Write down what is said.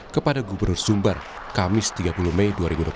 kepada gubernur sumbar kamis tiga puluh mei dua ribu dua puluh